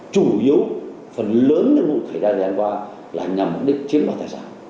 chủ yếu phần lớn trong mục đích này là nhằm chiếm đối tài sản